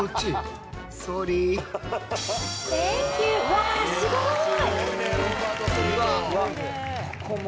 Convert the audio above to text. わあすごい！